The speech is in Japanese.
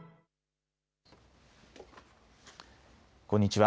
こんにちは。